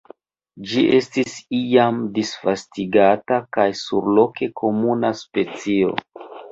Ĝi estis iam disvastigata kaj surloke komuna specio.